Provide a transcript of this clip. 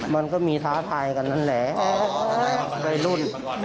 มันก็มีท้าทายกันนั่นแหละวัยรุ่น